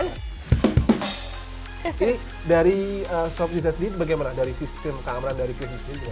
ini dari sobhj sedih bagaimana dari sistem keamanan dari kris